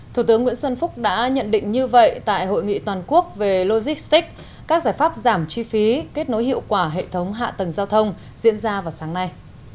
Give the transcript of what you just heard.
thủ tướng nguyễn xuân phúc đã nhận định như vậy tại hội nghị toàn quốc về logistics các giải pháp giảm chi phí kết nối hiệu quả hệ thống hạ tầng giao thông diễn ra vào sáng nay